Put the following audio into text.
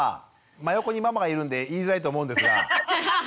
真横にママがいるんで言いづらいと思うんですが。